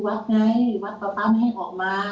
ป๊าอยู่วักไงวักป๊าไม่ให้ออกมา